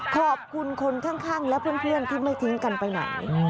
ขอบคุณคนข้างและเพื่อนที่ไม่ทิ้งกันไปไหน